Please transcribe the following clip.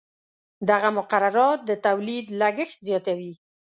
دغه مقررات د تولید لګښت زیاتوي.